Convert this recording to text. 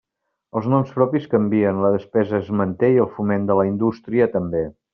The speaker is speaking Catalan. Els noms propis canvien, la despesa es manté i el foment de la indústria també.